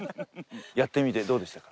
やってみてどうでしたか？